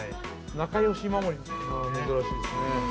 ◆なかよし守り、珍しいですね。